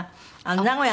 名古屋